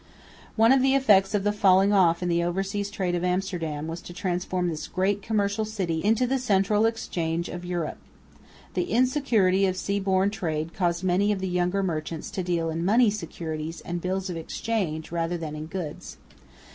One of the effects of the falling off in the overseas trade of Amsterdam was to transform this great commercial city into the central exchange of Europe. The insecurity of sea borne trade caused many of the younger merchants to deal in money securities and bills of exchange rather than in goods.